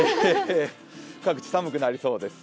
各地寒くなりそうです。